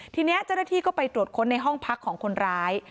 ทีนี้เจ้าหน้าที่ก็ไปตรวจค้นในห้องพักของคนร้าย